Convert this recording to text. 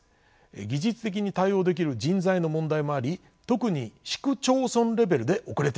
技術的に対応できる人材の問題もあり特に市区町村レベルで遅れています。